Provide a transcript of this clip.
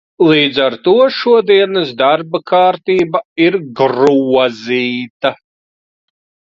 Līdz ar to šodienas darba kārtība ir grozīta.